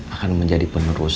akan menjadi penerus